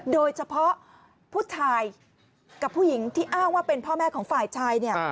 โดยเฉพาะผู้ชายกับผู้หญิงที่อ้างว่าเป็นพ่อแม่ของฝ่ายชายเนี่ย